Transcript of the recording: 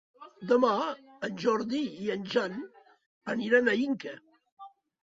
Demà en Jordi i en Jan aniran a Inca.